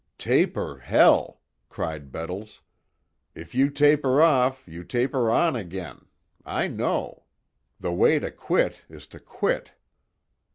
"Taper hell!" cried Bettles, "If you taper off, you taper on agin. I know. The way to quit is to quit."